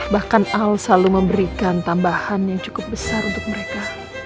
bahkan al selalu memberikan tambahan yang cukup besar untuk mereka